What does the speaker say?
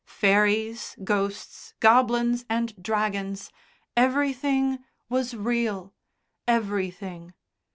Fairies, ghosts, goblins and dragons everything was real. Everything.